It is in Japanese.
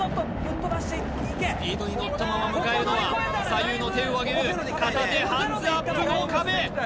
スピードに乗ったまま迎えるのは左右の手をあげる片手ハンズアップ脳かべ